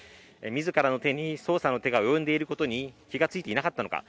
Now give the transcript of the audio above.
自らの身に捜査の手が及んでいることに気がついていなかったのか。